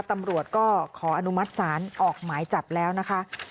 ตำรวจก็ขออนุมัติศาลออกหมายจับแล้วนะคะ